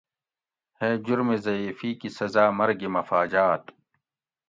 ھے جرم ضعیفی کی سزا مرگ مفاجات